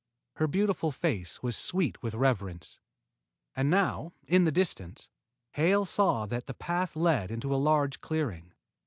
Her beautiful face was sweet with reverence. And now, in the distance, Hale saw that the path led into a large clearing.